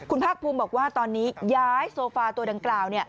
คุณภาคภูมิบอกว่าตอนนี้ย้ายโซฟาตัวดังกล่าว